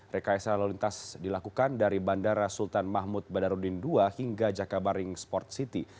rekayasa lalu lintas dilakukan dari bandara sultan mahmud badarudin ii hingga jakabaring sport city